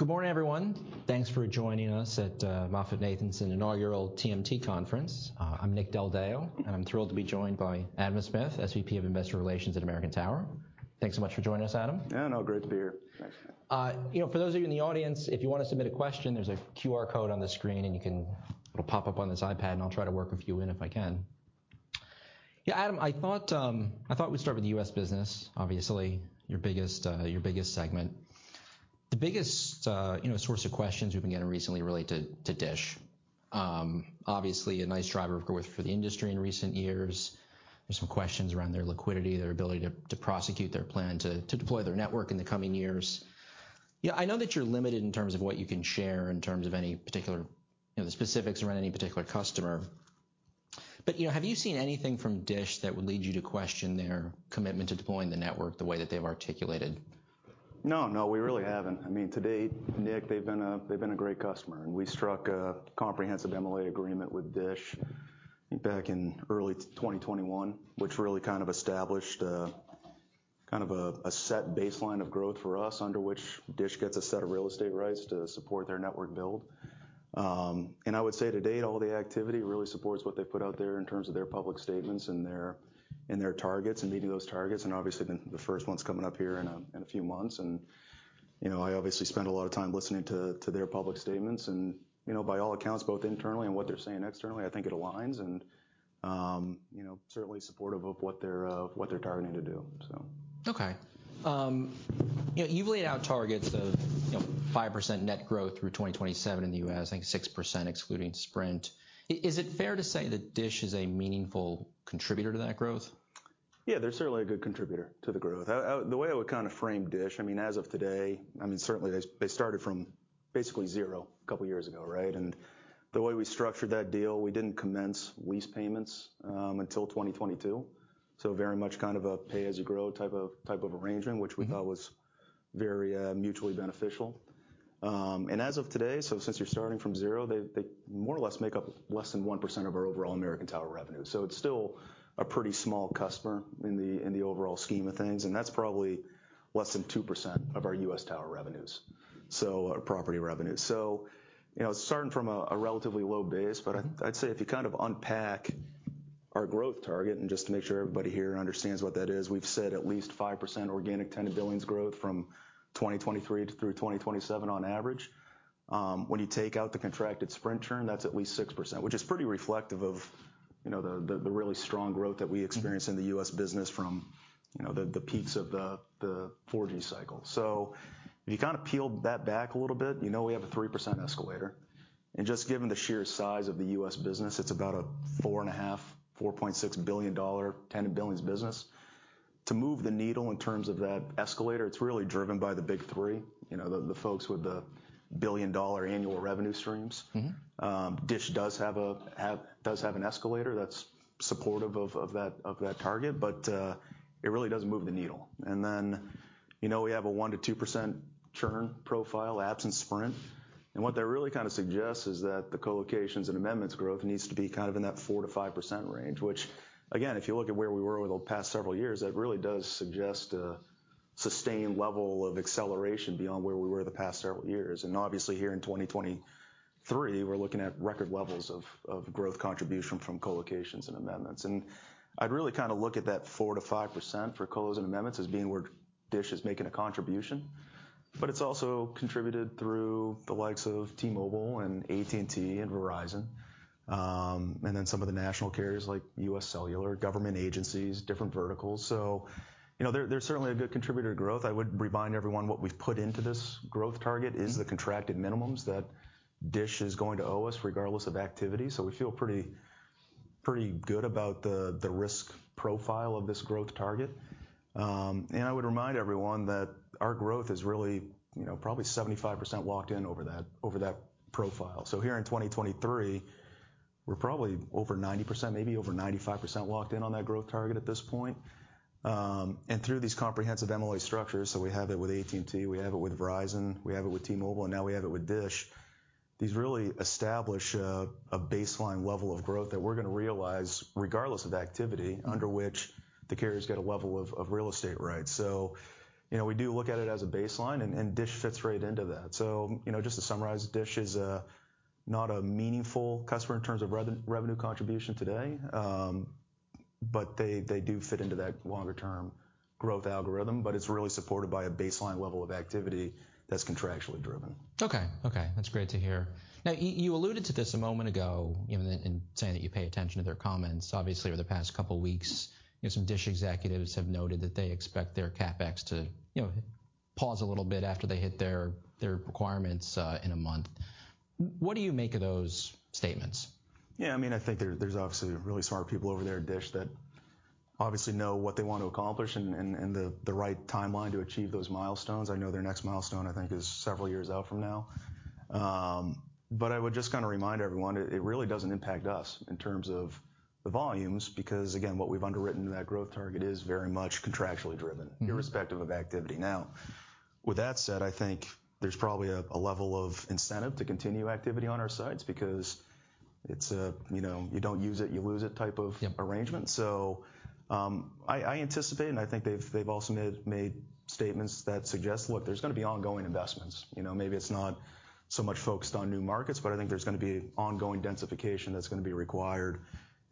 Well, good morning, everyone. Thanks for joining us at MoffettNathanson Inaugural TMT Conference. I'm Nick Del Deo, and I'm thrilled to be joined by Adam Smith, SVP of Investor Relations at American Tower. Thanks so much for joining us, Adam. Yeah, no, great to be here. Thanks. You know, for those of you in the audience, if you wanna submit a question, there's a QR code on the screen, it'll pop up on this iPad, I'll try to work a few in if I can. Yeah, Adam, I thought, I thought we'd start with the U.S. business, obviously your biggest, your biggest segment. The biggest, you know, source of questions we've been getting recently relate to Dish. Obviously a nice driver, of course, for the industry in recent years. There's some questions around their liquidity, their ability to prosecute their plan to deploy their network in the coming years. I know that you're limited in terms of what you can share in terms of any particular, you know, the specifics around any particular customer, but, you know, have you seen anything from Dish that would lead you to question their commitment to deploying the network the way that they've articulated? No, no, we really haven't. I mean, to date, Nick, they've been a great customer, we struck a comprehensive MOA agreement with Dish back in early 2021, which really kind of established a kind of a set baseline of growth for us, under which Dish gets a set of real estate rights to support their network build. I would say to date, all the activity really supports what they've put out there in terms of their public statements and their targets and meeting those targets. Obviously the first one's coming up here in a few months. You know, I obviously spend a lot of time listening to their public statements and, you know, by all accounts, both internally and what they're saying externally, I think it aligns and, you know, certainly supportive of what they're, what they're targeting to do. Okay. you know, you've laid out targets of, you know, 5% net growth through 2027 in the U.S., I think 6% excluding Sprint. Is it fair to say that Dish is a meaningful contributor to that growth? Yeah, they're certainly a good contributor to the growth. The way I would kind of frame Dish, I mean, as of today, I mean, certainly they started from basically zero a couple years ago, right? The way we structured that deal, we didn't commence lease payments until 2022. Very much kind of a pay-as-you-grow type of arrangement. Which we thought was very mutually beneficial. As of today, since you're starting from zero, they more or less make up less than 1% of our overall American Tower revenue. It's still a pretty small customer in the overall scheme of things, and that's probably less than 2% of our U.S. tower revenues. Our property revenues. You know, starting from a relatively low base, but I'd say if you kind of unpack our growth target and just to make sure everybody here understands what that is, we've said at least 5% organic tenant billings growth from 2023 through 2027 on average. When you take out the contracted Sprint churn, that's at least 6%, which is pretty reflective of, you know, the really strong growth that we experienced. In the U.S. business from, you know, the peaks of the 4G cycle. If you kind of peel that back a little bit, you know we have a 3% escalator. Just given the sheer size of the U.S. business, it's about a four and a half billion dollars, $4.6 billion tenant billings business. To move the needle in terms of that escalator, it's really driven by the big three, you know, the folks with the billion-dollar annual revenue streams. Dish does have an escalator that's supportive of that target, but it really doesn't move the needle. You know we have a 1% to 2% churn profile absent Sprint. What that really kinda suggests is that the co-locations and amendments growth needs to be kind of in that 4% to 5% range, which again, if you look at where we were over the past several years, that really does suggest a sustained level of acceleration beyond where we were the past several years. Obviously here in 2023, we're looking at record levels of growth contribution from co-locations and amendments. I'd really kinda look at that 4% to 5% for co-los and amendments as being where Dish is making a contribution. It's also contributed through the likes of T-Mobile and AT&T and Verizon, and then some of the national carriers like U.S. Cellular, government agencies, different verticals. You know, they're certainly a good contributor to growth. I would remind everyone what we've put into this growth target. Is the contracted minimums that Dish is going to owe us regardless of activity. We feel pretty good about the risk profile of this growth target. I would remind everyone that our growth is really, you know, probably 75% locked in over that, over that profile. Here in 2023, we're probably over 90%, maybe over 95% locked in on that growth target at this point. Through these comprehensive MOA structures, we have it with AT&T, we have it with Verizon, we have it with T-Mobile, and now we have it with Dish. These really establish a baseline level of growth that we're gonna realize regardless of activity. Under which the carrier's got a level of real estate rights. You know, we do look at it as a baseline and Dish fits right into that. You know, just to summarize, Dish is not a meaningful customer in terms of revenue contribution today, but they do fit into that longer-term growth algorithm, but it's really supported by a baseline level of activity that's contractually driven. Okay. Okay, that's great to hear. Now, you alluded to this a moment ago, you know, in saying that you pay attention to their comments. Obviously, over the past couple weeks, you know, some Dish executives have noted that they expect their CapEx to, you know, pause a little bit after they hit their requirements in a month. What do you make of those statements? Yeah, I mean, I think there's obviously really smart people over there at Dish that obviously know what they want to accomplish and the right timeline to achieve those milestones. I know their next milestone, I think, is several years out from now. I would just kinda remind everyone, it really doesn't impact us in terms of the volumes because, again, what we've underwritten in that growth target is very much contractually driven irrespective of activity. With that said, I think there's probably a level of incentive to continue activity on our sites because it's a, you know, you don't use it, you lose it type of arrangement. Yep. I anticipate, and I think they've also made statements that suggest, look, there's gonna be ongoing investments. You know, maybe it's not so much focused on new markets, but I think there's gonna be ongoing densification that's gonna be required.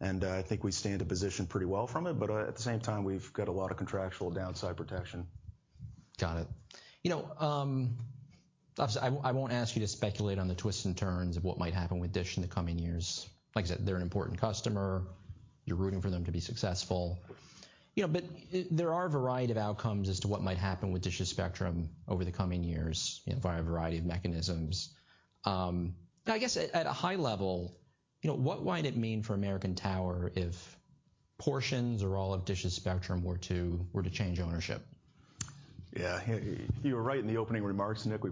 I think we stand to position pretty well from it. At the same time, we've got a lot of contractual downside protection. Got it. You know, obviously I won't ask you to speculate on the twists and turns of what might happen with Dish in the coming years. Like I said, they're an important customer. You're rooting for them to be successful. You know, but there are a variety of outcomes as to what might happen with Dish's spectrum over the coming years, you know, via a variety of mechanisms. I guess at a high level, you know, what might it mean for American Tower if portions or all of Dish's spectrum were to change ownership? Yeah. You were right in the opening remarks, Nick. We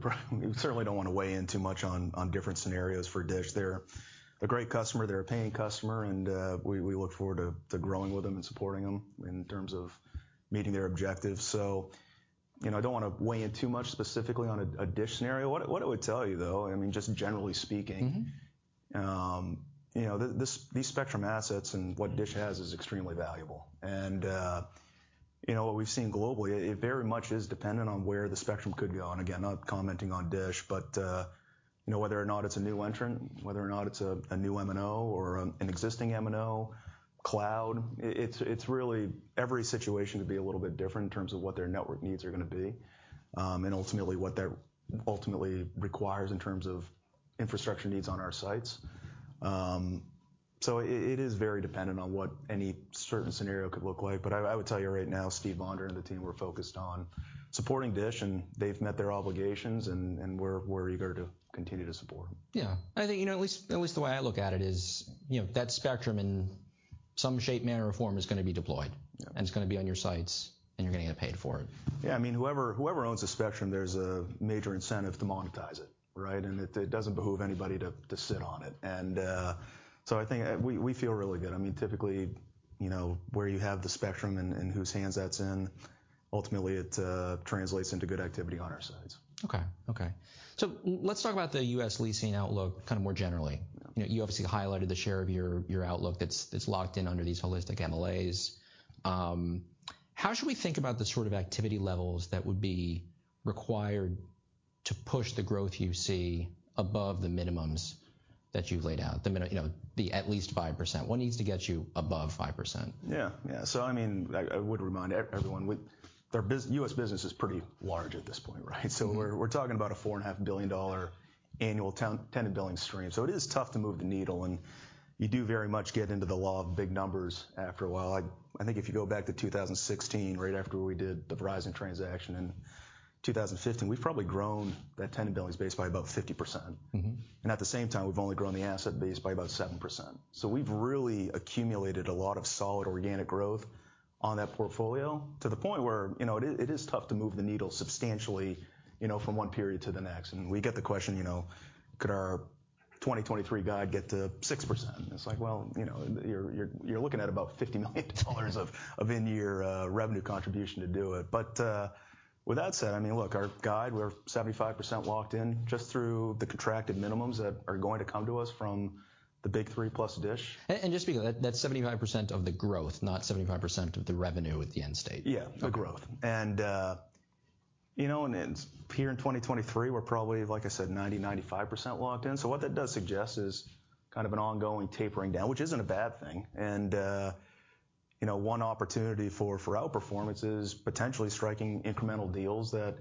certainly don't wanna weigh in too much on different scenarios for Dish. They're a great customer, they're a paying customer, and we look forward to growing with them and supporting them in terms of meeting their objectives. You know, I don't wanna weigh in too much specifically on a Dish scenario. What it would tell you, though, I mean, just generally speaking. You know, these spectrum assets and what Dish has is extremely valuable. You know, what we've seen globally, it very much is dependent on where the spectrum could go. Again, not commenting on Dish, but, you know, whether or not it's a new entrant, whether or not it's a new MNO or an existing MNO, cloud, it's really every situation could be a little bit different in terms of what their network needs are gonna be, and ultimately what that ultimately requires in terms of infrastructure needs on our sites. It is very dependent on what any certain scenario could look like. I would tell you right now, Steve Vondran and the team, we're focused on supporting Dish, and they've met their obligations, and we're eager to continue to support. Yeah. I think, you know, at least the way I look at it is, you know, that spectrum in some shape, manner or form is gonna be deployed. Yeah. it's gonna be on your sites, and you're gonna get paid for it. Yeah. I mean, whoever owns the spectrum, there's a major incentive to monetize it, right? It doesn't behoove anybody to sit on it. I think we feel really good. I mean, typically, you know, where you have the spectrum and whose hands that's in, ultimately it translates into good activity on our sides. Okay. Okay. Let's talk about the U.S. leasing outlook kind of more generally. You know, you obviously highlighted the share of your outlook that's locked in under these holistic MLAs. How should we think about the sort of activity levels that would be required to push the growth you see above the minimums that you've laid out, you know, the at least 5%. What needs to get you above 5%? Yeah. Yeah. I mean, I would remind everyone with their U.S. business is pretty large at this point, right? We're talking about a four and a half billion dollar annual tow-tenant billing stream. It is tough to move the needle, and you do very much get into the law of big numbers after a while. I think if you go back to 2016, right after we did the Verizon transaction in 2015, we've probably grown that tenant billings base by about 50%. At the same time, we've only grown the asset base by about 7%. We've really accumulated a lot of solid organic growth on that portfolio to the point where, you know, it is tough to move the needle substantially, you know, from one period to the next. We get the question, you know, could our 2023 guide get to 6%? it's like, well, you know, you're looking at about $50 million of in-year revenue contribution to do it. With that said, I mean, look, our guide, we're 75% locked in just through the contracted minimums that are going to come to us from the big three plus Dish. Just because that's 75% of the growth, not 75% of the revenue at the end state. Yeah. Okay. The growth. You know, and here in 2023, we're probably, like I said, 90%-95% locked in. What that does suggest is kind of an ongoing tapering down, which isn't a bad thing. You know, one opportunity for outperformance is potentially striking incremental deals that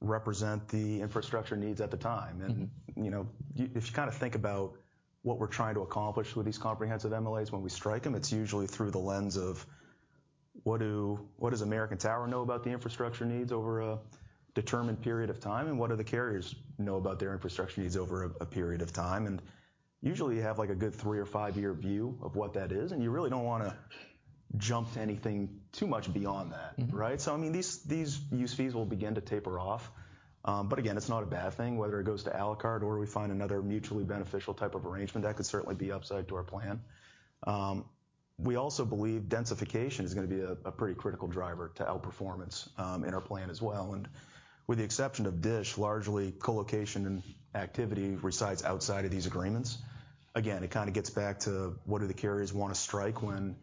represent the infrastructure needs at the time. You know, if you kinda think about what we're trying to accomplish with these comprehensive MLAs when we strike them, it's usually through the lens of what does American Tower know about the infrastructure needs over a determined period of time, and what do the carriers know about their infrastructure needs over a period of time? Usually you have like a good three or five-year view of what that is, and you really don't wanna jump to anything too much beyond that. Right? I mean, these use fees will begin to taper off. But again, it's not a bad thing whether it goes to a la carte or we find another mutually beneficial type of arrangement. That could certainly be upside to our plan. We also believe densification is gonna be a pretty critical driver to outperformance in our plan as well. With the exception of Dish, largely co-location and activity resides outside of these agreements. Again, it kinda gets back to what do the carriers wanna strike when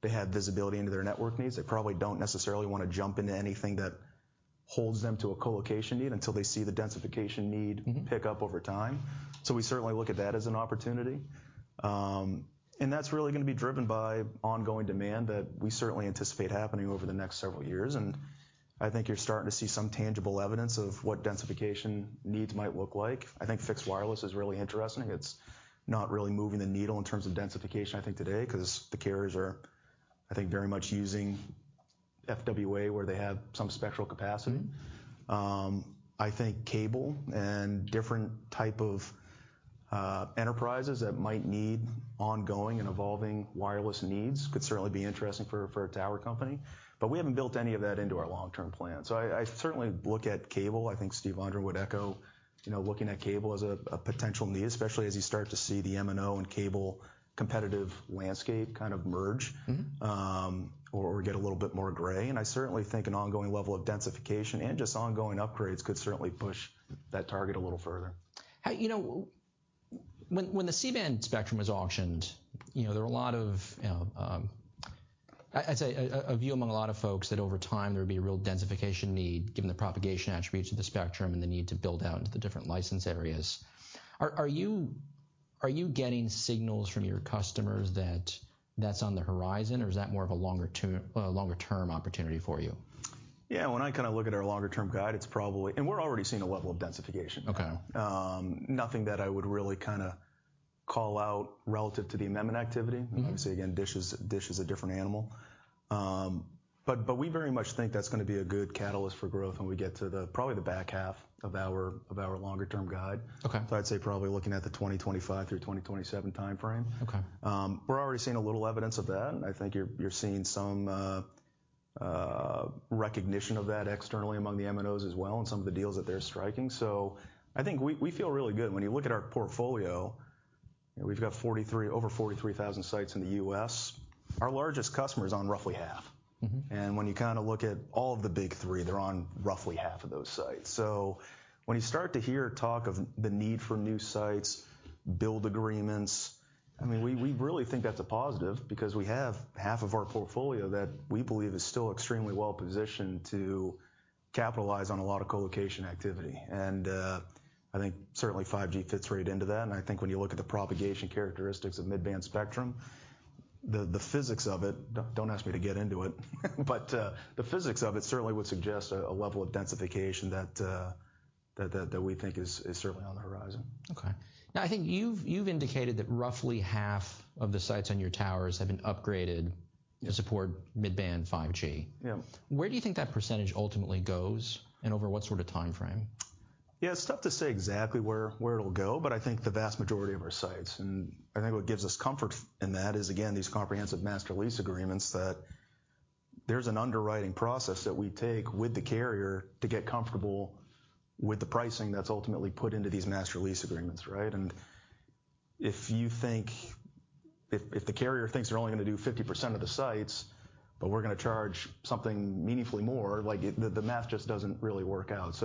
they have visibility into their network needs. They probably don't necessarily wanna jump into anything that holds them to a co-location need until they see the densification need pick up over time. We certainly look at that as an opportunity. That's really gonna be driven by ongoing demand that we certainly anticipate happening over the next several years. I think you're starting to see some tangible evidence of what densification needs might look like. I think fixed wireless is really interesting. It's not really moving the needle in terms of densification, I think today, 'cause the carriers are, I think, very much using FWA where they have some spectral capacity. I think cable and different type of enterprises that might need ongoing and evolving wireless needs could certainly be interesting for a tower company, but we haven't built any of that into our long-term plan. I certainly look at cable. I think Steve Vondran would echo, you know, looking at cable as a potential need, especially as you start to see the MNO and cable competitive landscape kind of merge or get a little bit more gray. I certainly think an ongoing level of densification and just ongoing upgrades could certainly push that target a little further. You know, when the C-band spectrum was auctioned, you know, there were a lot of, you know, I'd say a view among a lot of folks that over time there would be a real densification need, given the propagation attributes of the spectrum and the need to build out into the different license areas. Are you getting signals from your customers that that's on the horizon, or is that more of a longer-term opportunity for you? Yeah, when I kind of look at our longer-term guide. We're already seeing a level of densification. Okay. Nothing that I would really kinda call out relative to the amendment activity. Obviously, again, Dish is a different animal. We very much think that's gonna be a good catalyst for growth when we get to the, probably the back half of our, of our longer-term guide. Okay. I'd say probably looking at the 2025-2027 timeframe. Okay. We're already seeing a little evidence of that. I think you're seeing some recognition of that externally among the MNOs as well and some of the deals that they're striking. I think we feel really good. When you look at our portfolio, we've got over 43,000 sites in the U.S. Our largest customer is on roughly half. When you kind of look at all of the big 3, they're on roughly half of those sites. When you start to hear talk of the need for new sites, build agreements, I mean, we really think that's a positive because we have half of our portfolio that we believe is still extremely well positioned to capitalize on a lot of co-location activity. I think certainly 5G fits right into that. I think when you look at the propagation characteristics of mid-band spectrum, the physics of it, don't ask me to get into it, but the physics of it certainly would suggest a level of densification that we think is certainly on the horizon. Okay. I think you've indicated that roughly half of the sites on your towers have been upgraded- Yeah. to support mid-band 5G. Yeah. Where do you think that percentage ultimately goes, and over what sort of timeframe? Yeah, it's tough to say exactly where it'll go, but I think the vast majority of our sites. I think what gives us comfort in that is, again, these comprehensive master lease agreements that there's an underwriting process that we take with the carrier to get comfortable with the pricing that's ultimately put into these master lease agreements, right? If the carrier thinks they're only gonna do 50% of the sites, but we're gonna charge something meaningfully more, like, the math just doesn't really work out.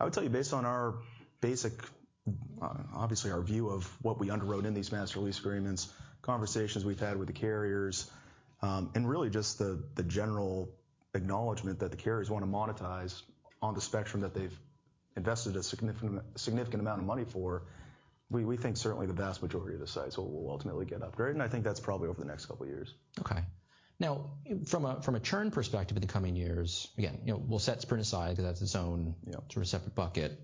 I would tell you, based on our basic, obviously our view of what we underwrote in these master lease agreements, conversations we've had with the carriers, and really just the general acknowledgement that the carriers wanna monetize on the spectrum that they've invested a significant amount of money for, we think certainly the vast majority of the sites will ultimately get upgraded, and I think that's probably over the next couple years. Okay. Now from a churn perspective in the coming years, again, you know, we'll set Sprint aside 'cause that's its own... Yeah. -sort of separate bucket.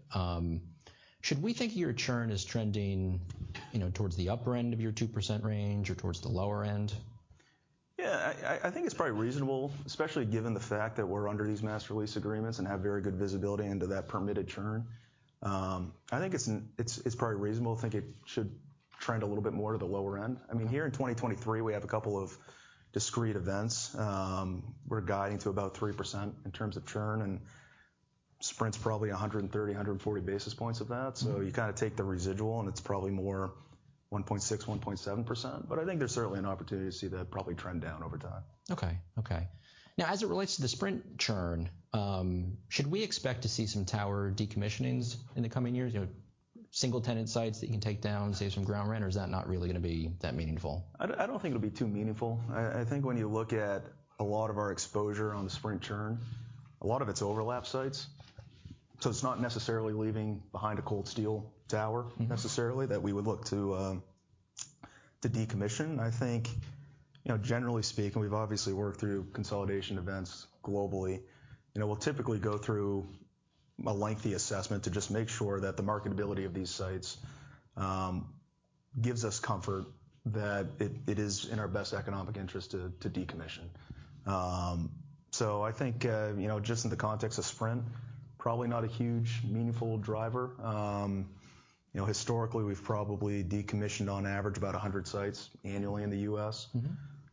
Should we think your churn is trending, you know, towards the upper end of your 2% range or towards the lower end? Yeah. I think it's probably reasonable, especially given the fact that we're under these master lease agreements and have very good visibility into that permitted churn. I think it's probably reasonable to think it should trend a little bit more to the lower end. I mean, here in 2023, we have a couple of discrete events. We're guiding to about 3% in terms of churn, and Sprint's probably 130, 140 basis points of that. You kind of take the residual, and it's probably more 1.6%, 1.7%. I think there's certainly an opportunity to see that probably trend down over time. Okay. As it relates to the Sprint churn, should we expect to see some tower decommissionings in the coming years? You know, single-tenant sites that you can take down, save some ground rent, or is that not really gonna be that meaningful? I don't, I don't think it'll be too meaningful. I think when you look at a lot of our exposure on the Sprint churn, a lot of it's overlap sites, so it's not necessarily leaving behind a cold steel towe necessarily that we would look to to decommission. I think, you know, generally speaking, we've obviously worked through consolidation events globally. You know, we'll typically go through a lengthy assessment to just make sure that the marketability of these sites gives us comfort that it is in our best economic interest to decommission. I think, you know, just in the context of Sprint, probably not a huge meaningful driver. You know, historically, we've probably decommissioned on average about 100 sites annually in the U.S.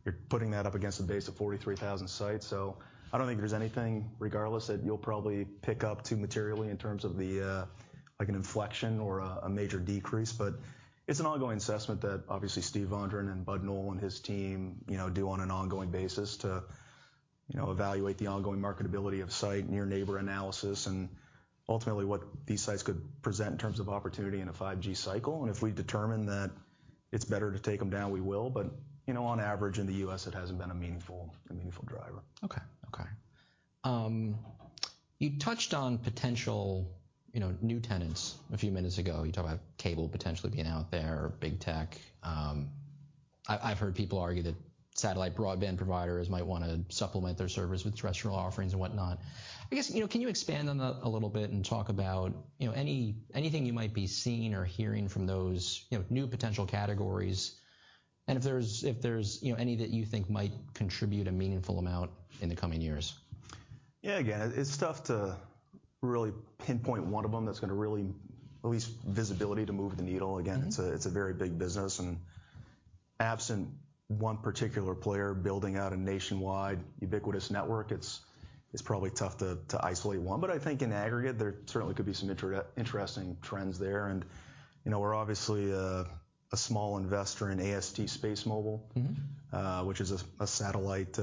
You're putting that up against a base of 43,000 sites. I don't think there's anything, regardless, that you'll probably pick up too materially in terms of the like an inflection or a major decrease. It's an ongoing assessment that obviously Steve Vondran and Bud Knoll and his team, you know, do on an ongoing basis to, you know, evaluate the ongoing marketability of site, near neighbor analysis, and ultimately what these sites could present in terms of opportunity in a 5G cycle. If we determine that it's better to take them down, we will. You know, on average, in the U.S., it hasn't been a meaningful driver. Okay. Okay. You touched on potential, you know, new tenants a few minutes ago. You talked about cable potentially being out there or big tech. I've heard people argue that satellite broadband providers might wanna supplement their service with terrestrial offerings and whatnot. I guess, you know, can you expand on that a little bit and talk about, you know, anything you might be seeing or hearing from those, you know, new potential categories and if there's, you know, any that you think might contribute a meaningful amount in the coming years? Yeah. Again, it's tough to really pinpoint one of them that's gonna really release visibility to move the needle. It's a very big business, absent one particular player building out a nationwide ubiquitous network. It's probably tough to isolate one, but I think in aggregate, there certainly could be some interesting trends there. You know, we're obviously a small investor in AST SpaceMobile which is a satellite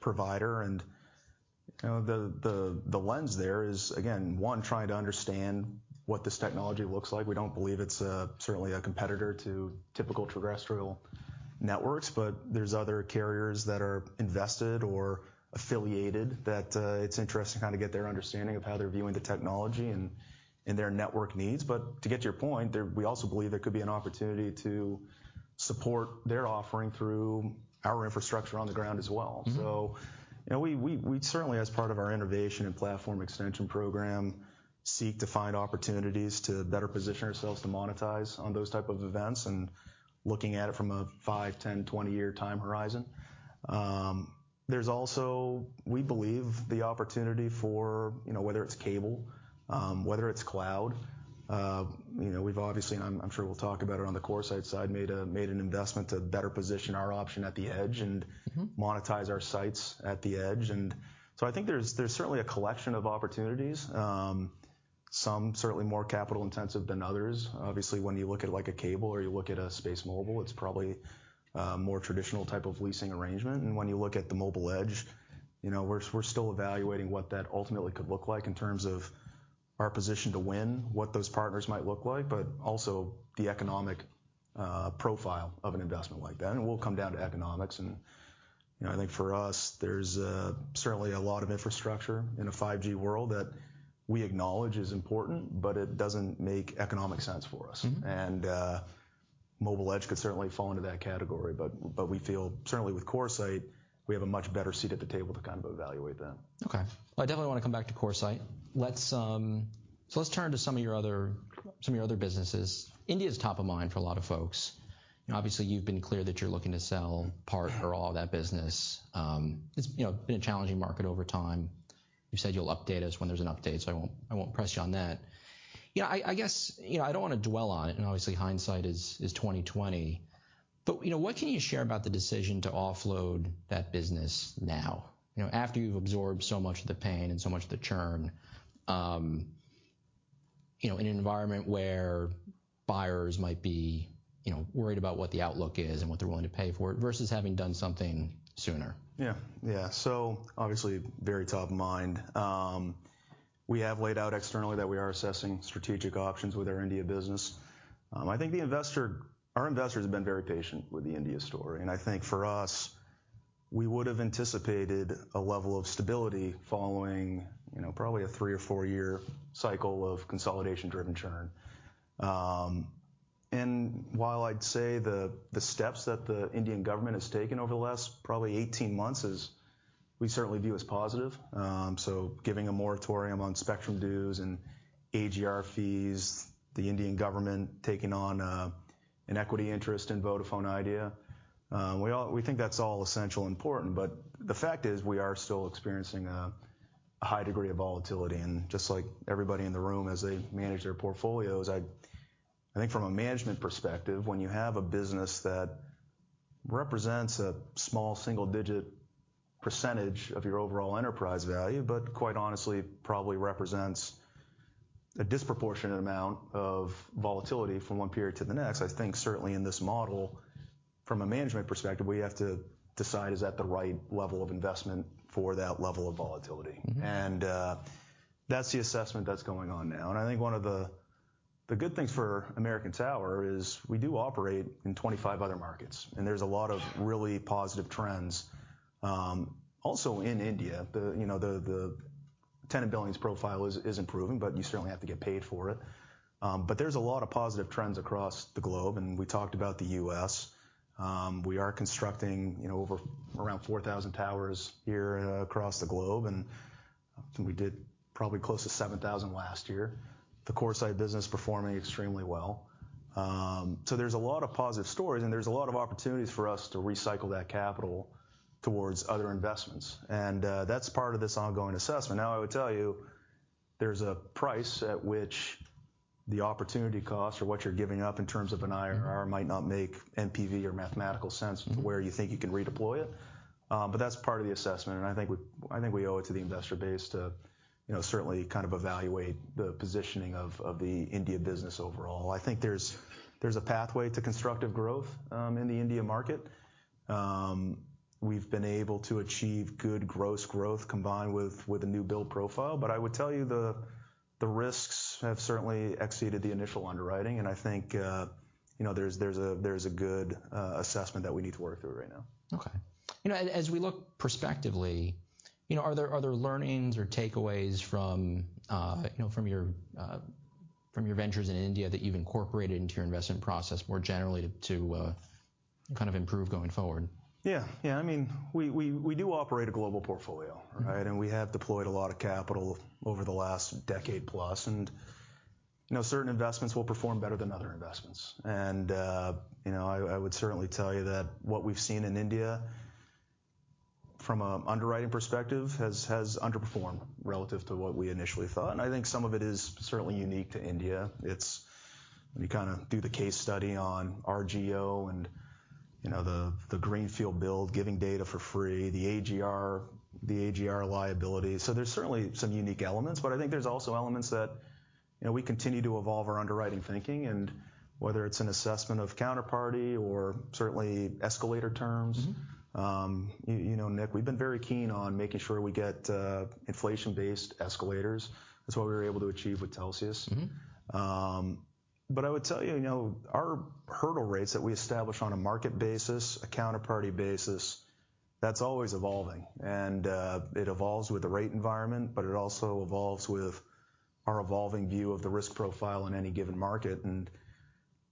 provider. you know, the lens there is, again, one, trying to understand what this technology looks like. We don't believe it's certainly a competitor to typical terrestrial networks. There's other carriers that are invested or affiliated that, it's interesting how to get their understanding of how they're viewing the technology and their network needs. to get to your point, we also believe there could be an opportunity to support their offering through our infrastructure on the ground as well. You know, we certainly as part of our innovation and platform extension program, seek to find opportunities to better position ourselves to monetize on those type of events and looking at it from a five, 10, 20-year time horizon. There's also, we believe the opportunity for, you know, whether it's cable, whether it's cloud, you know, we've obviously, and I'm sure we'll talk about it on the CoreSite side, made an investment to better position our option at the edge and monetize our sites at the edge. I think there's certainly a collection of opportunities, some certainly more capital intensive than others. Obviously, when you look at like a cable or you look at a SpaceMobile, it's probably a more traditional type of leasing arrangement. When you look at the mobile edge, you know, we're still evaluating what that ultimately could look like in terms of our position to win, what those partners might look like, but also the economic profile of an investment like that. It will come down to economics. You know, I think for us, there's certainly a lot of infrastructure in a 5G world that we acknowledge is important, but it doesn't make economic sense for us. Mobile edge could certainly fall into that category. But we feel certainly with CoreSite, we have a much better seat at the table to kind of evaluate that. Well, I definitely wanna come back to CoreSite. Let's turn to some of your other businesses. India's top of mind for a lot of folks. You know, obviously, you've been clear that you're looking to sell part or all of that business. It's, you know, been a challenging market over time. You said you'll update us when there's an update, I won't press you on that. You know, I guess, you know, I don't wanna dwell on it and obviously hindsight is 20/20, but, you know, what can you share about the decision to offload that business now? You know, after you've absorbed so much of the pain and so much of the churn, you know, in an environment where buyers might be, you know, worried about what the outlook is and what they're willing to pay for it versus having done something sooner. Yeah. Yeah. Obviously very top of mind. We have laid out externally that we are assessing strategic options with our India business. I think our investors have been very patient with the India story, and I think for us, we would've anticipated a level of stability following, you know, probably a three or four-year cycle of consolidation-driven churn. While I'd say the steps that the Indian government has taken over the last probably 18 months is we certainly view as positive. Giving a moratorium on spectrum dues and AGR fees, the Indian government taking on an equity interest in Vodafone Idea, we think that's all essential important. The fact is we are still experiencing a high degree of volatility and just like everybody in the room as they manage their portfolios. I think from a management perspective, when you have a business that represents a small single-digit percentage of your overall enterprise value, but quite honestly probably represents a disproportionate amount of volatility from one period to the next. I think certainly in this model from a management perspective, we have to decide, is that the right level of investment for that level of volatility? That's the assessment that's going on now. I think one of the good things for American Tower is we do operate in 25 other markets, and there's a lot of really positive trends also in India. The, you know, the tenant billings profile is improving, but you certainly have to get paid for it. But there's a lot of positive trends across the globe, and we talked about the U.S. We are constructing, you know, over around 4,000 towers a year across the globe, and we did probably close to 7,000 last year. The CoreSite business performing extremely well. So there's a lot of positive stories and there's a lot of opportunities for us to recycle that capital towards other investments. That's part of this ongoing assessment. I would tell you there's a price at which the opportunity cost or what you're giving up in terms of an IRR might not make NPV or mathematical sense to where you think you can redeploy it. That's part of the assessment and I think we owe it to the investor base to, you know, certainly kind of evaluate the positioning of the India business overall. I think there's a pathway to constructive growth in the India market. We've been able to achieve good gross growth combined with a new build profile. I would tell you the risks have certainly exceeded the initial underwriting and I think, you know, there's a good assessment that we need to work through right now. Okay. You know, as we look perspectively, you know, are there learnings or takeaways from, you know, from your, from your ventures in India that you've incorporated into your investment process more generally to kind of improve going forward? Yeah. Yeah. I mean, we do operate a global portfolio, right? We have deployed a lot of capital over the last decade plus, and, you know, certain investments will perform better than other investments. You know, I would certainly tell you that what we've seen in India from an underwriting perspective has underperformed relative to what we initially thought. I think some of it is certainly unique to India. You kind of do the case study on Rakuten and, you know, the greenfield build, giving data for free, the AGR liability. There's certainly some unique elements, but I think there's also elements that, you know, we continue to evolve our underwriting thinking and whether it's an assessment of counterparty or certainly escalator terms. You know, Nick, we've been very keen on making sure we get, inflation-based escalators. That's what we were able to achieve with Telxius. I would tell you know, our hurdle rates that we establish on a market basis, a counterparty basis, that's always evolving. It evolves with the rate environment, but it also evolves with our evolving view of the risk profile in any given market.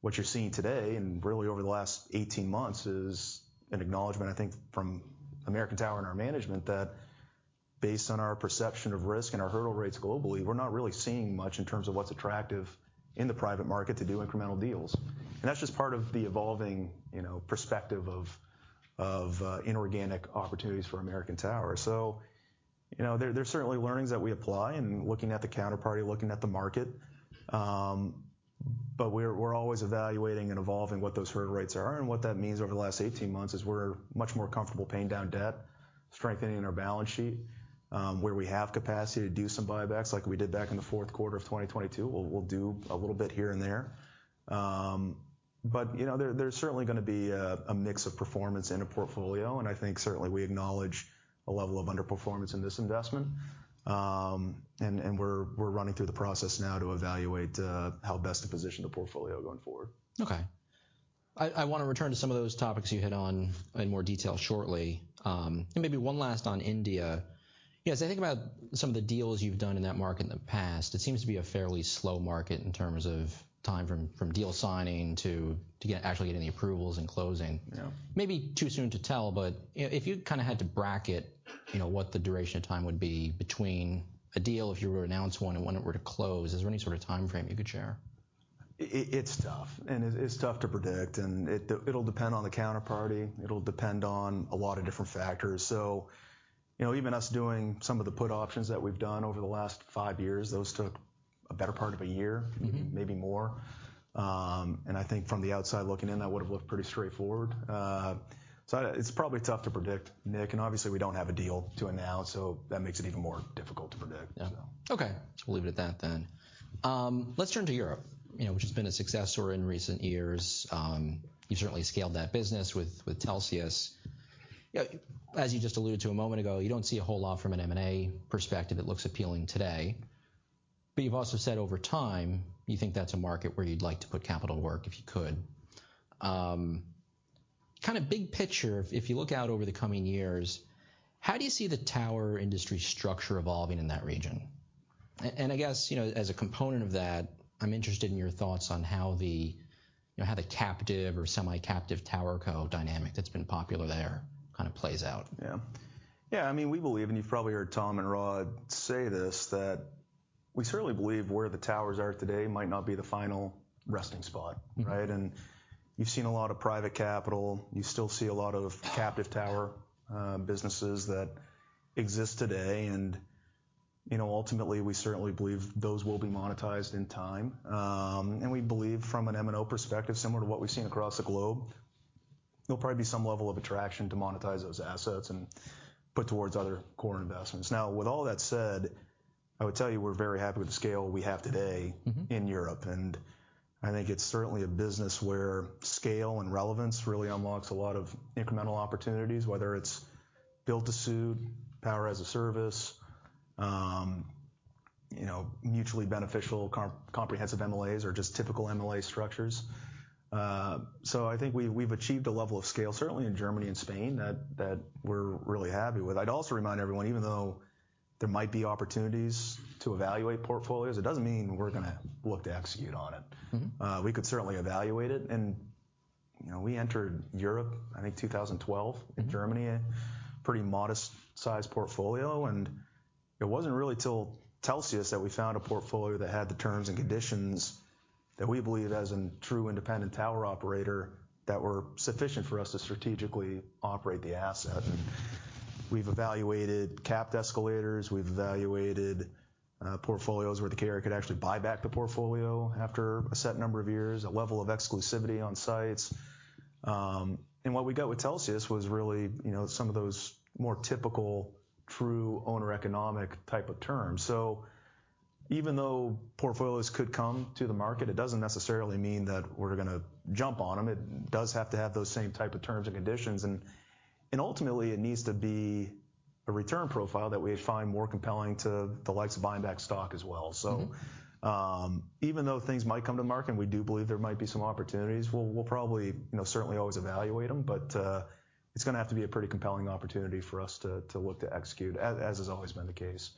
What you're seeing today, and really over the last 18 months, is an acknowledgment, I think, from American Tower and our management that based on our perception of risk and our hurdle rates globally, we're not really seeing much in terms of what's attractive in the private market to do incremental deals. That's just part of the evolving, you know, perspective of inorganic opportunities for American Tower. You know, there's certainly learnings that we apply and looking at the counterparty, looking at the market. We're always evaluating and evolving what those hurdle rates are. What that means over the last 18 months is we're much more comfortable paying down debt, strengthening our balance sheet, where we have capacity to do some buybacks like we did back in the fourth quarter of 2022. We'll do a little bit here and there. You know, there's certainly gonna be a mix of performance in a portfolio, and I think certainly we acknowledge a level of underperformance in this investment. We're running through the process now to evaluate how best to position the portfolio going forward. Okay. I wanna return to some of those topics you hit on in more detail shortly. Maybe one last on India. You know, as I think about some of the deals you've done in that market in the past, it seems to be a fairly slow market in terms of time from deal signing to actually getting the approvals and closing. Yeah. Maybe too soon to tell, but if you kinda had to bracket, you know, what the duration of time would be between a deal, if you were to announce one and when it were to close, is there any sort of timeframe you could share? It's tough, and it's tough to predict, and it'll depend on the counterparty. It'll depend on a lot of different factors. You know, even us doing some of the put options that we've done over the last five years, those took a better part of a year. Maybe more. I think from the outside looking in, that would have looked pretty straightforward. It's probably tough to predict, Nick, and obviously we don't have a deal to announce, so that makes it even more difficult to predict. Yeah. Okay. We'll leave it at that then. Let's turn to Europe, you know, which has been a success story in recent years. You certainly scaled that business with Telxius. You know, as you just alluded to a moment ago, you don't see a whole lot from an M&A perspective that looks appealing today. But you've also said over time, you think that's a market where you'd like to put capital to work if you could. Kinda big picture, if you look out over the coming years, how do you see the tower industry structure evolving in that region? I guess, you know, as a component of that, I'm interested in your thoughts on how the captive or semi-captive tower co dynamic that's been popular there kind of plays out. Yeah. Yeah, I mean, we believe, and you've probably heard Tom and Rod say this, that we certainly believe where the towers are today might not be the final resting spot, right? You've seen a lot of private capital. You still see a lot of captive tower businesses that exist today. You know, ultimately, we certainly believe those will be monetized in time. We believe from an MNO perspective, similar to what we've seen across the globe, there'll probably be some level of attraction to monetize those assets and put towards other core investments. Now, with all that said, I would tell you we're very happy with the scale we have today in Europe. I think it's certainly a business where scale and relevance really unlocks a lot of incremental opportunities, whether it's build to suit, power as a service, you know, mutually beneficial comprehensive MLAs or just typical MLA structures. I think we've achieved a level of scale, certainly in Germany and Spain, that we're really happy with. I'd also remind everyone, even though there might be opportunities to evaluate portfolios, it doesn't mean we're gonna look to execute on it. We could certainly evaluate it. You know, we entered Europe, I think, 2012 in Germany, a pretty modest sized portfolio. It wasn't really till Telxius that we found a portfolio that had the terms and conditions that we believe as a true independent tower operator that were sufficient for us to strategically operate the asset. We've evaluated capped escalators. We've evaluated portfolios where the carrier could actually buy back the portfolio after a set number of years, a level of exclusivity on sites. What we got with Telxius was really, you know, some of those more typical true owner economic type of terms. Even though portfolios could come to the market, it doesn't necessarily mean that we're gonna jump on them. It does have to have those same type of terms and conditions. Ultimately, it needs to be a return profile that we find more compelling to the likes of buying back stock as well. Even though things might come to market, and we do believe there might be some opportunities, we'll probably, you know, certainly always evaluate them. It's gonna have to be a pretty compelling opportunity for us to look to execute, as has always been the case.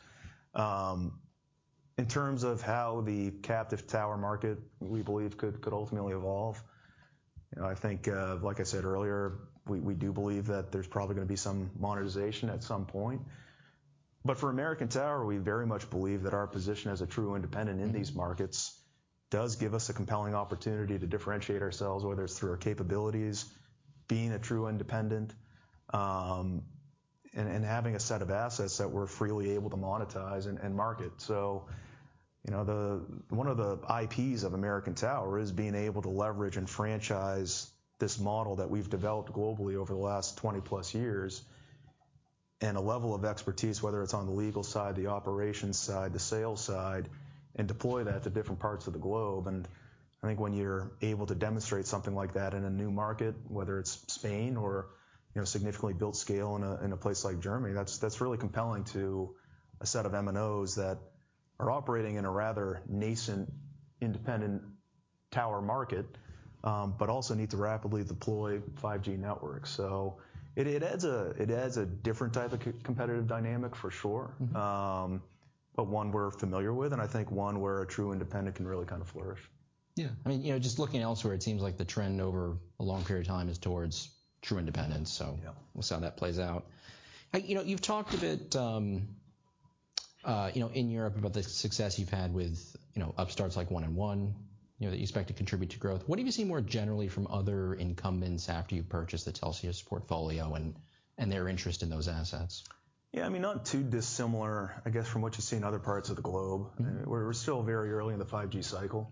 In terms of how the captive tower market, we believe could ultimately evolve, you know, I think, like I said earlier, we do believe that there's probably gonna be some monetization at some point. For American Tower, we very much believe that our position as a true independent in these markets does give us a compelling opportunity to differentiate ourselves, whether it's through our capabilities, being a true independent, and having a set of assets that we're freely able to monetize and market. You know, one of the IPs of American Tower is being able to leverage and franchise this model that we've developed globally over the last 20-plus years and a level of expertise, whether it's on the legal side, the operations side, the sales side, and deploy that to different parts of the globeI think when you're able to demonstrate something like that in a new market, whether it's Spain or, you know, significantly build scale in a place like Germany, that's really compelling to a set of MNOs that are operating in a rather nascent independent tower market, but also need to rapidly deploy 5G networks. It adds a different type of co-competitive dynamic for sure. One we're familiar with, and I think one where a true independent can really kind of flourish. Yeah. I mean, you know, just looking elsewhere, it seems like the trend over a long period of time is towards true independence, so- Yeah. -we'll see how that plays out. You know, you've talked a bit, you know, in Europe about the success you've had with, you know, upstarts like 1&1, you know, that you expect to contribute to growth. What do you see more generally from other incumbents after you've purchased the Telxius portfolio and their interest in those assets? Yeah, I mean, not too dissimilar, I guess, from what you see in other parts of the globe. We're still very early in the 5G cycle.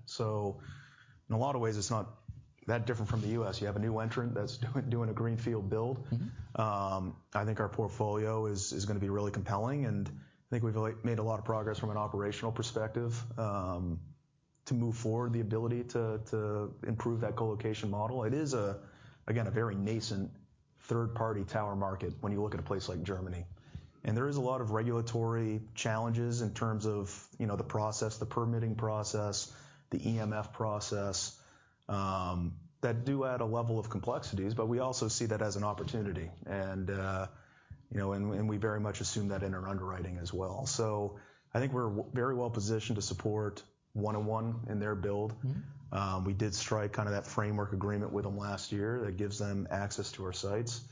In a lot of ways, it's not that different from the U.S. You have a new entrant that's doing a greenfield build. I think our portfolio is gonna be really compelling, and I think we've made a lot of progress from an operational perspective to move forward the ability to improve that colocation model. It is a, again, a very nascent third-party tower market when you look at a place like Germany. There is a lot of regulatory challenges in terms of, you know, the process, the permitting process, the EMF process that do add a level of complexities, but we also see that as an opportunity. You know, and we very much assume that in our underwriting as well. I think we're very well positioned to support 1&1 in their build. We did strike kind of that framework agreement with them last year that gives them access to our sites.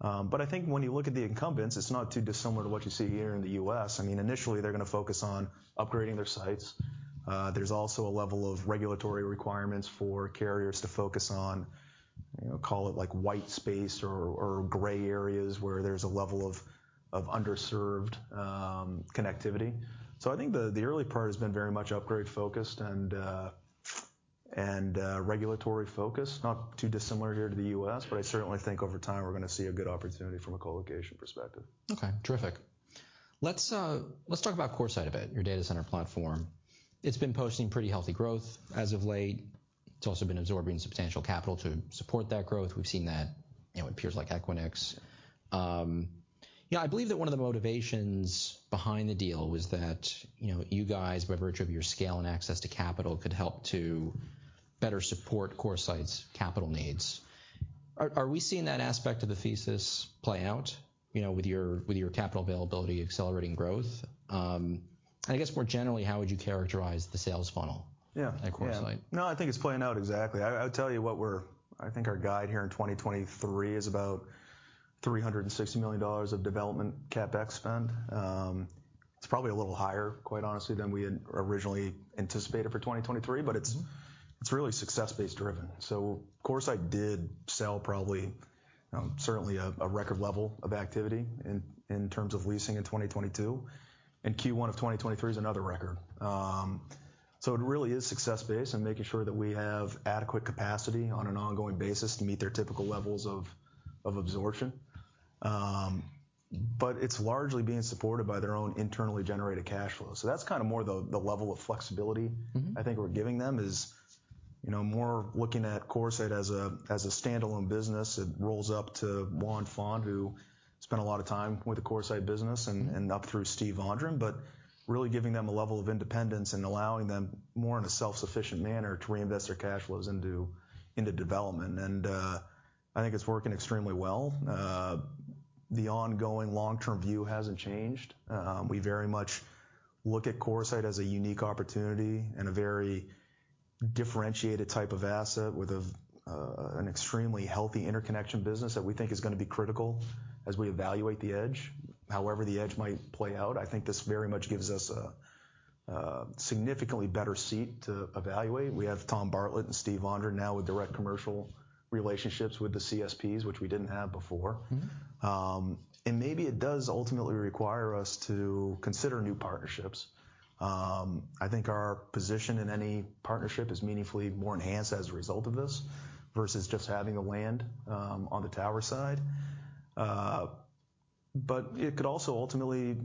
I think when you look at the incumbents, it's not too dissimilar to what you see here in the U.S. I mean, initially they're gonna focus on upgrading their sites. There's also a level of regulatory requirements for carriers to focus on, you know, call it like white space or gray areas where there's a level of underserved connectivity. I think the early part has been very much upgrade-focused and regulatory-focused, not too dissimilar here to the U.S. I certainly think over time, we're gonna see a good opportunity from a colocation perspective. Okay. Terrific. Let's talk about CoreSite a bit, your data center platform. It's been posting pretty healthy growth as of late. It's also been absorbing substantial capital to support that growth. We've seen that, you know, with peers like Equinix. You know, I believe that one of the motivations behind the deal was that, you know, you guys, by virtue of your scale and access to capital, could help to better support CoreSite's capital needs. Are we seeing that aspect of the thesis play out, you know, with your capital availability accelerating growth? I guess more generally, how would you characterize the sales funnel? Yeah. -at CoreSite? I think it's playing out exactly. I would tell you I think our guide here in 2023 is about $360 million of development CapEx spend. It's probably a little higher, quite honestly, than we had originally anticipated for 2023. It's really success-based driven. CoreSite did sell probably, certainly a record level of activity in terms of leasing in 2022, and Q1 of 2023 is another record. It really is success based and making sure that we have adequate capacity on an ongoing basis to meet their typical levels of absorption. It's largely being supported by their own internally generated cash flow. That's kinda more the level of flexibility. I think we're giving them is, you know, more looking at CoreSite as a standalone business. It rolls up to Juan Font, who spent a lot of time with the CoreSite business and up through Steve Vondran. Really giving them a level of independence and allowing them more in a self-sufficient manner to reinvest their cash flows into development. I think it's working extremely well. The ongoing long-term view hasn't changed. We very much look at CoreSite as a unique opportunity and a very differentiated type of asset with an extremely healthy interconnection business that we think is gonna be critical as we evaluate the edge, however the edge might play out. I think this very much gives us a significantly better seat to evaluate. We have Tom Bartlett and Steve Vondran now with direct commercial relationships with the CSPs, which we didn't have before. Maybe it does ultimately require us to consider new partnerships. I think our position in any partnership is meaningfully more enhanced as a result of this versus just having a land on the tower side. It could also ultimately,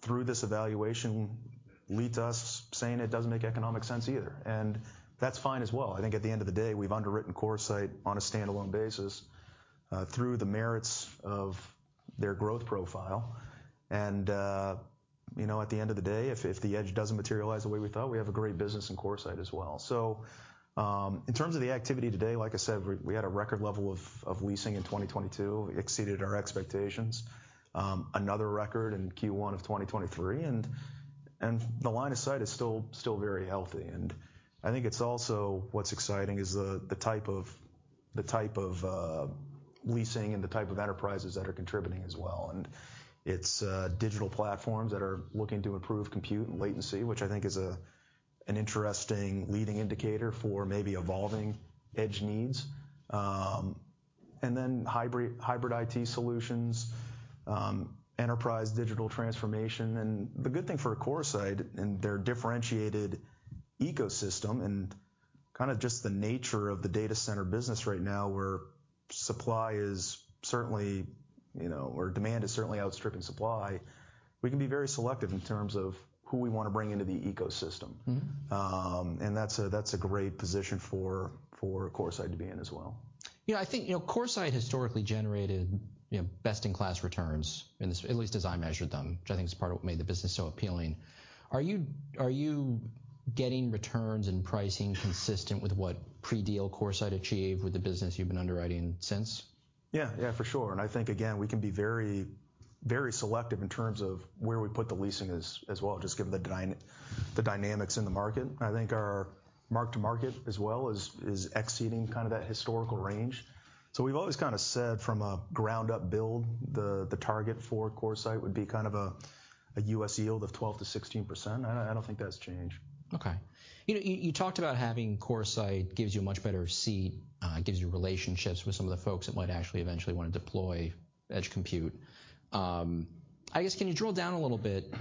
through this evaluation, lead to us saying it doesn't make economic sense either, and that's fine as well. I think at the end of the day, we've underwritten CoreSite on a standalone basis through the merits of their growth profile. You know, at the end of the day, if the edge doesn't materialize the way we thought, we have a great business in CoreSite as well. In terms of the activity today, like I said, we had a record level of leasing in 2022. It exceeded our expectations. Another record in Q1 of 2023, and the line of sight is still very healthy. I think it's also what's exciting is The type of leasing and the type of enterprises that are contributing as well. It's digital platforms that are looking to improve compute and latency, which I think is an interesting leading indicator for maybe evolving edge needs. Hybrid IT solutions, enterprise digital transformation. The good thing for CoreSite and their differentiated ecosystem and kinda just the nature of the data center business right now, where supply is certainly, you know, or demand is certainly outstripping supply, we can be very selective in terms of who we wanna bring into the ecosystem. That's a great position for CoreSite to be in as well. You know, I think, you know, CoreSite historically generated, you know, best in class returns at least as I measured them, which I think is part of what made the business so appealing. Are you getting returns and pricing consistent with what pre-deal CoreSite achieved with the business you've been underwriting since? Yeah. Yeah, for sure. I think again, we can be very, very selective in terms of where we put the leasing as well, just given the dynamics in the market. I think our mark-to-market as well is exceeding kind of that historical range. We've always kinda said from a ground up build, the target for CoreSite would be kind of a U.S. yield of 12%-16%. I don't think that's changed. Okay. You know, you talked about having CoreSite gives you a much better seat, gives you relationships with some of the folks that might actually eventually wanna deploy edge compute. I guess, can you drill down a little bit?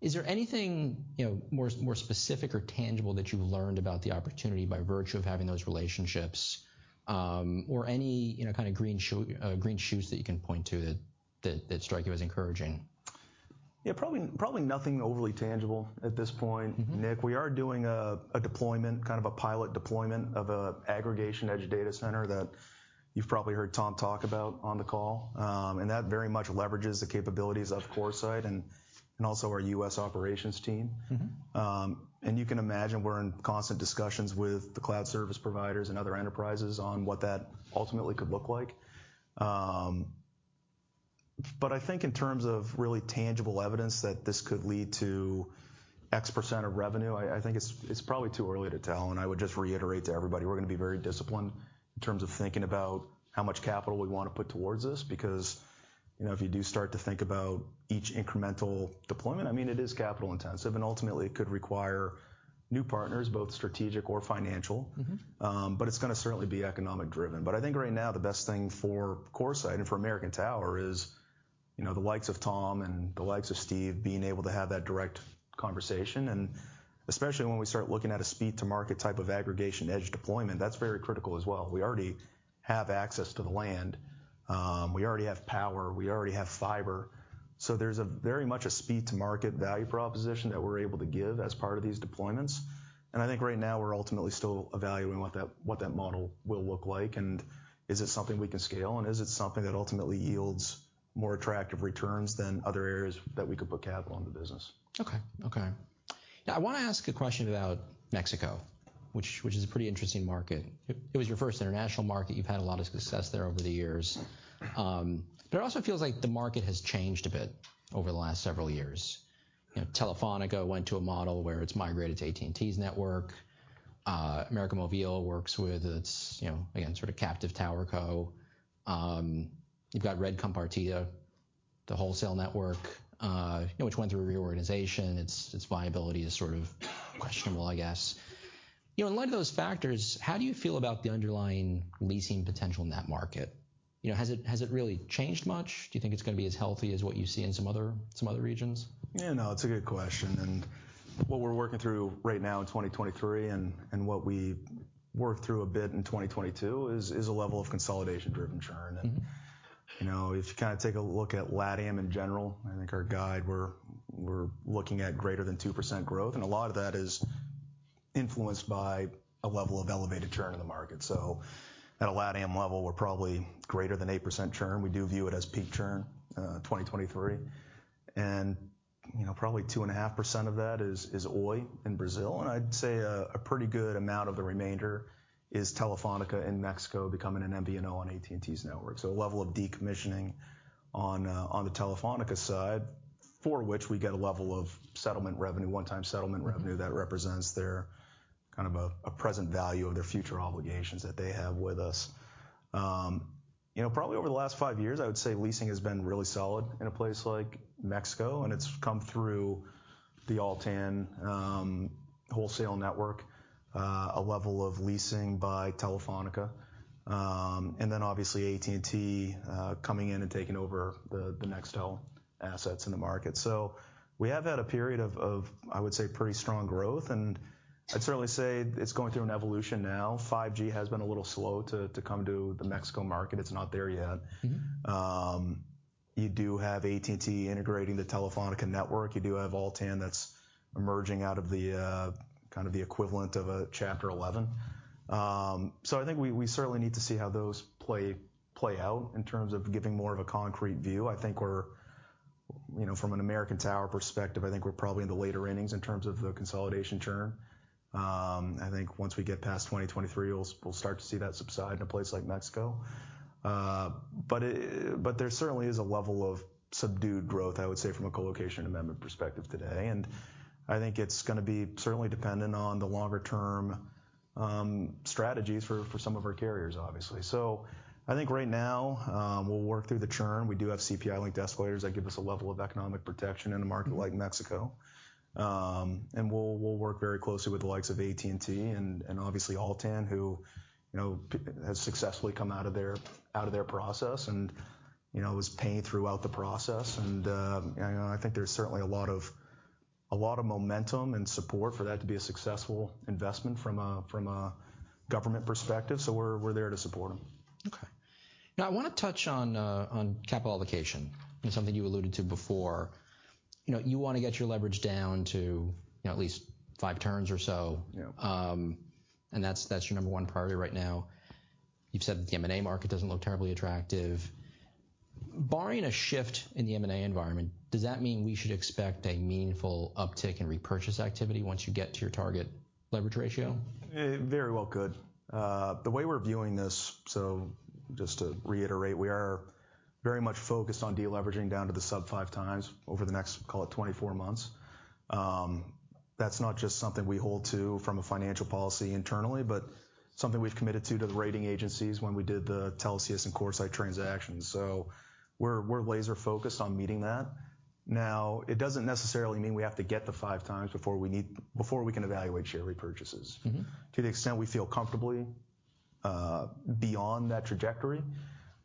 Is there anything, you know, more specific or tangible that you've learned about the opportunity by virtue of having those relationships, or any, you know, kinda green shoots that you can point to that strike you as encouraging? Yeah, probably nothing overly tangible at this point, Nick. We are doing a deployment, kind of a pilot deployment of a aggregation edge data center that you've probably heard Tom talk about on the call. That very much leverages the capabilities of CoreSite and also our U.S. operations team. You can imagine we're in constant discussions with the cloud service providers and other enterprises on what that ultimately could look like. I think in terms of really tangible evidence that this could lead to X% of revenue, I think it's probably too early to tell, and I would just reiterate to everybody, we're gonna be very disciplined in terms of thinking about how much capital we wanna put towards this. You know, if you do start to think about each incremental deployment, I mean, it is capital intensive, and ultimately it could require new partners, both strategic or financial. It's gonna certainly be economic driven. I think right now the best thing for CoreSite and for American Tower is, you know, the likes of Tom and the likes of Steve being able to have that direct conversation, and especially when we start looking at a speed to market type of aggregation edge deployment, that's very critical as well. We already have access to the land. We already have power. We already have fiber. There's a very much a speed to market value proposition that we're able to give as part of these deployments. I think right now we're ultimately still evaluating what that model will look like and is it something we can scale, and is it something that ultimately yields more attractive returns than other areas that we could put capital in the business? Okay. Okay. Now I wanna ask a question about Mexico, which is a pretty interesting market. It was your first international market. You've had a lot of success there over the years. It also feels like the market has changed a bit over the last several years. You know, Telefónica went to a model where it's migrated to AT&T's network. América Móvil works with its, you know, again, sort of captive tower co. You've got Red Compartida, the wholesale network, you know, which went through a reorganization. Its viability is sort of questionable, I guess. You know, in light of those factors, how do you feel about the underlying leasing potential in that market? You know, has it really changed much? Do you think it's gonna be as healthy as what you see in some other regions? Yeah, no, it's a good question. What we're working through right now in 2023 and what we worked through a bit in 2022 is a level of consolidation-driven churn. You know, if you kinda take a look at LatAm in general, I think our guide, we're looking at greater than 2% growth, and a lot of that is influenced by a level of elevated churn in the market. At a LatAm level, we're probably greater than 8% churn. We do view it as peak churn, 2023. You know, probably 2.5% of that is Oi in Brazil, and I'd say a pretty good amount of the remainder is Telefónica in Mexico becoming an MVNO on AT&T's networkA level of decommissioning on the Telefónica side, for which we get a level of settlement revenue, one-time settlement revenue that represents their, kind of a present value of their future obligations that they have with us. You know, probably over the last five years, I would say leasing has been really solid in a place like Mexico, and it's come through the Altán wholesale network, a level of leasing by Telefónica. Obviously AT&T coming in and taking over the Nextel assets in the market. We have had a period of, I would say, pretty strong growth, and I'd certainly say it's going through an evolution now. 5G has been a little slow to come to the Mexico market. It's not there yet. You do have AT&T integrating the Telefónica network. You do have Altán that's emerging out of the kind of the equivalent of a Chapter 11. I think we certainly need to see how those play out in terms of giving more of a concrete view. I think we're, you know, from an American Tower perspective, I think we're probably in the later innings in terms of the consolidation churn. I think once we get past 2023, we'll start to see that subside in a place like Mexico. There certainly is a level of subdued growth, I would say, from a colocation amendment perspective today. I think it's gonna be certainly dependent on the longer-term strategies for some of our carriers, obviously. I think right now, we'll work through the churn. We do have CPI-linked escalators that give us a level of economic protection in a market like Mexico. And we'll work very closely with the likes of AT&T and, obviously, Altán, who, you know, has successfully come out of their process and, you know, was paying throughout the process. You know, I think there's certainly a lot of momentum and support for that to be a successful investment from a government perspective. We're there to support them. Okay. Now I wanna touch on capital allocation and something you alluded to before. You know, you wanna get your leverage down to, you know, at least five turns or so. Yeah. That's your number one priority right now. You've said the M&A market doesn't look terribly attractive. Barring a shift in the M&A environment, does that mean we should expect a meaningful uptick in repurchase activity once you get to your target leverage ratio? Very well could. The way we're viewing this, just to reiterate, we are very much focused on deleveraging down to the sub 5x over the next, call it, 24 months. That's not just something we hold to from a financial policy internally, but something we've committed to to the rating agencies when we did the Telxius and CoreSite transactions. We're laser focused on meeting that. It doesn't necessarily mean we have to get to 5x before we can evaluate share repurchases. To the extent we feel comfortably beyond that trajectory,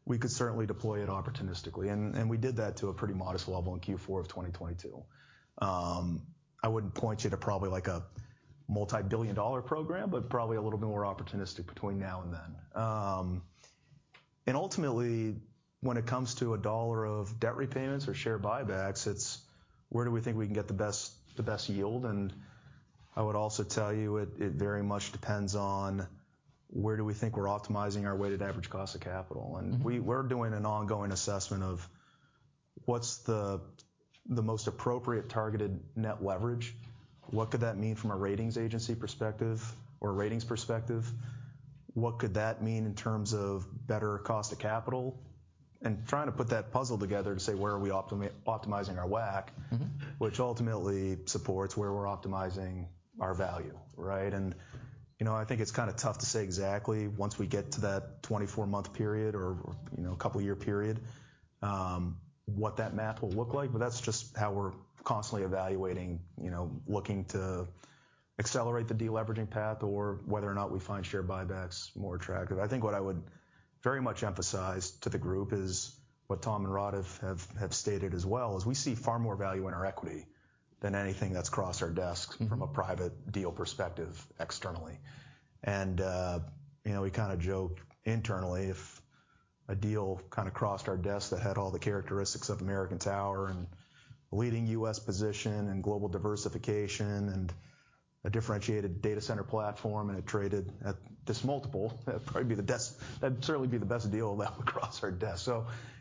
we could certainly deploy it opportunistically, and we did that to a pretty modest level in Q4 of 2022. I wouldn't point you to probably, like, a multi-billion dollar program, but probably a little bit more opportunistic between now and then. Ultimately, when it comes to $1 of debt repayments or share buybacks, it's where do we think we can get the best yield. I would also tell you it very much depends on where do we think we're optimizing our weighted average cost of capital. We're doing an ongoing assessment of what's the most appropriate targeted net leverage. What could that mean from a ratings agency perspective or a ratings perspective? What could that mean in terms of better cost of capital? Trying to put that puzzle together to say, where are we optimizing our WACC which ultimately supports where we're optimizing our value, right? You know, I think it's kinda tough to say exactly once we get to that 24-month period or, you know, couple-year period, what that math will look like, but that's just how we're constantly evaluating, you know, looking to accelerate the deleveraging path or whether or not we find share buybacks more attractive. I think what I would very much emphasize to the group is what Tom and Rod have stated as well, we see far more value in our equity than anything that's crossed our desks from a private deal perspective externally. You know, we kinda joke internally, if a deal kinda crossed our desk that had all the characteristics of American Tower and leading U.S. position and global diversification and a differentiated data center platform, and it traded at this multiple, that'd certainly be the best deal that would cross our desk.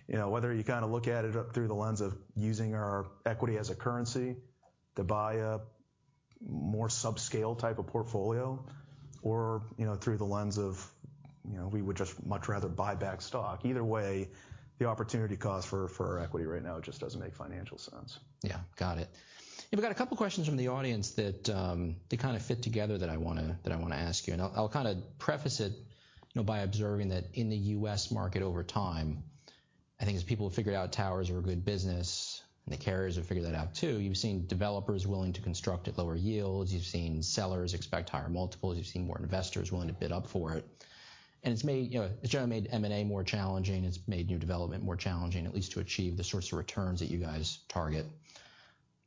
You know, whether you kinda look at it up through the lens of using our equity as a currency to buy a more subscale type of portfolio or, you know, through the lens of, you know, we would just much rather buy back stock. Either way, the opportunity cost for our equity right now just doesn't make financial sense. Yeah. Got it. We've got a couple questions from the audience that they kinda fit together that I wanna ask you. I'll kinda preface it, you know, by observing that in the U.S. market over time, I think as people have figured out towers are a good business, and the carriers have figured that out too, you've seen developers willing to construct at lower yields. You've seen sellers expect higher multiples. You've seen more investors willing to bid up for it. It's made, you know, it's generally made M&A more challenging. It's made new development more challenging, at least to achieve the sorts of returns that you guys target.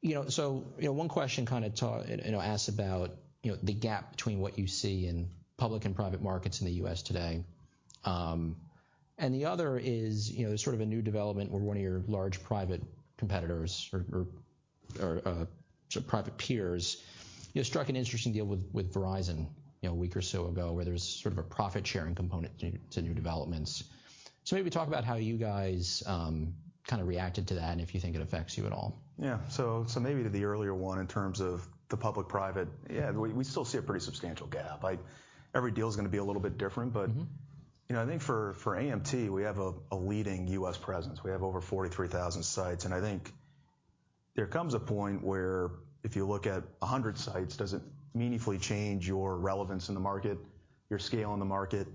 One question asks about, you know, the gap between what you see in public and private markets in the U.S. today. The other is, you know, sort of a new development where one of your large private competitors or sort of private peers, you know, struck an interesting deal with Verizon, you know, a week or so ago, where there's sort of a profit-sharing component to new developments. Maybe talk about how you guys kinda reacted to that and if you think it affects you at all? Maybe to the earlier one in terms of the public-private. We still see a pretty substantial gap. Like, every deal is gonna be a little bit different. You know, I think for AMT, we have a leading U.S. presence. We have over 43,000 sites. I think there comes a point where if you look at 100 sites, does it meaningfully change your relevance in the market, your scale in the market?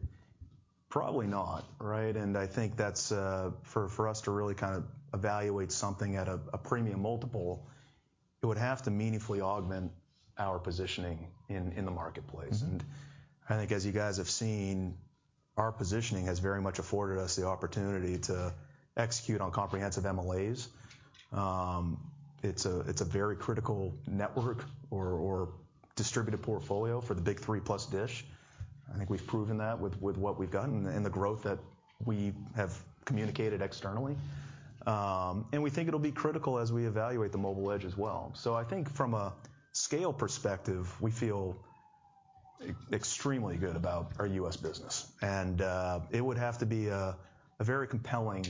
Probably not, right? I think that's for us to really kinda evaluate something at a premium multiple, it would have to meaningfully augment our positioning in the marketplace. I think as you guys have seen, our positioning has very much afforded us the opportunity to execute on comprehensive MLAs. It's a very critical network or distributed portfolio for the big three plus Dish. I think we've proven that with what we've done and the growth that we have communicated externally. We think it'll be critical as we evaluate the mobile edge as well. I think from a scale perspective, we feel extremely good about our U.S. business. It would have to be a very compelling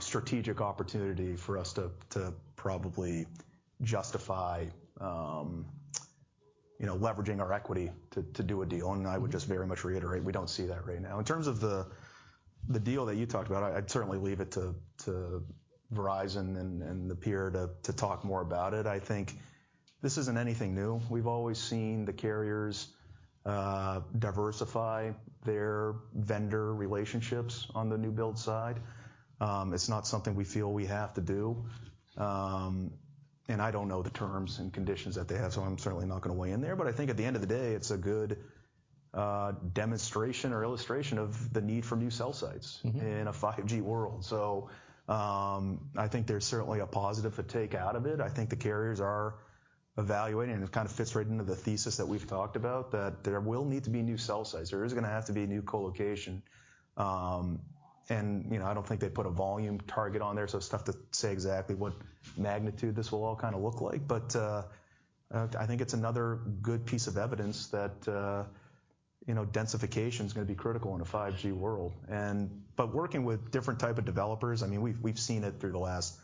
strategic opportunity for us to probably justify, you know, leveraging our equity to do a deal. I would just very much reiterate we don't see that right now. In terms of the deal that you talked about, I'd certainly leave it to Verizon and the peer to talk more about it. I think this isn't anything new. We've always seen the carriers diversify their vendor relationships on the new build side. It's not something we feel we have to do. And I don't know the terms and conditions that they have, so I'm certainly not gonna weigh in there. I think at the end of the day, it's a good demonstration or illustration of the need for new cell sites in a 5G world. I think there's certainly a positive to take out of it. I think the carriers are evaluating, and it kind of fits right into the thesis that we've talked about, that there will need to be new cell sites. There is gonna have to be new colocation. You know, I don't think they put a volume target on there, so it's tough to say exactly what magnitude this will all kind of look like. I think it's another good piece of evidence that, you know, densification is gonna be critical in a 5G world. Working with different type of developers, I mean, we've seen it through the last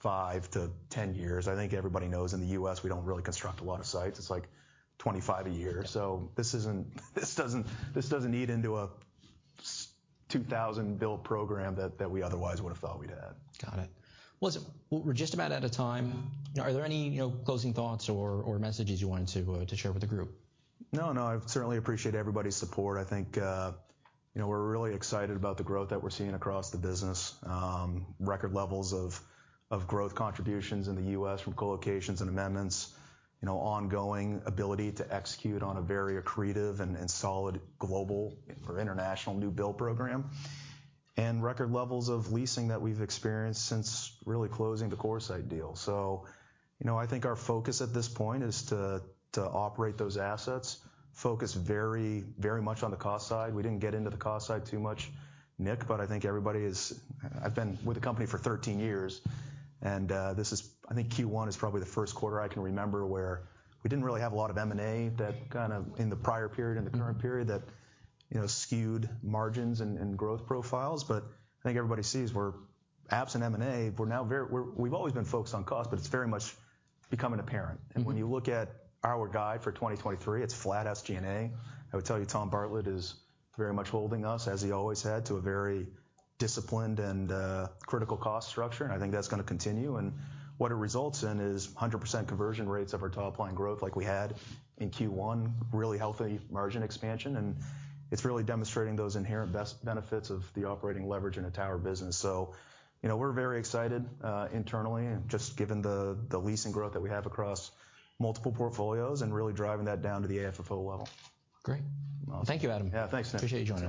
five to ten years. I think everybody knows in the U.S., we don't really construct a lot of sites. It's like 25 a year. This doesn't eat into a 2,000 build program that we otherwise would have thought we'd had. Got it. Listen, we're just about out of time. Are there any, you know, closing thoughts or messages you wanted to share with the group? No, no. I certainly appreciate everybody's support. I think, you know, we're really excited about the growth that we're seeing across the business. Record levels of growth contributions in the U.S. from colocations and amendments. You know, ongoing ability to execute on a very accretive and solid global or international new build program. Record levels of leasing that we've experienced since really closing the CoreSite deal. You know, I think our focus at this point is to operate those assets, focus very much on the cost side. We didn't get into the cost side too much, Nick, but I think everybody is... I've been with the company for 13 years, this is, I think Q1 is probably the first quarter I can remember where we didn't really have a lot of M&A that kind of in the prior period, in the current period, that, you know, skewed margins and growth profiles. I think everybody sees we're absent M&A, we're now we're, we've always been focused on cost, but it's very much becoming apparent. When you look at our guide for 2023, it's flat SG&A. I would tell you Tom Bartlett is very much holding us, as he always had, to a very disciplined and critical cost structure, and I think that's gonna continue. What it results in is 100% conversion rates of our top line growth like we had in Q1, really healthy margin expansion, and it's really demonstrating those inherent best benefits of the operating leverage in a tower business. You know, we're very excited internally, and just given the leasing growth that we have across multiple portfolios and really driving that down to the AFFO level. Great. Well, thank you, Adam. Yeah, thanks, Nick. Appreciate you joining us.